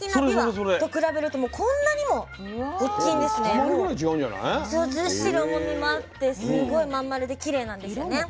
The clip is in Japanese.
そうずっしり重みもあってすごい真ん丸できれいなんですよね。